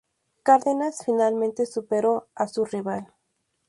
Cárdenas finalmente superó a su rival.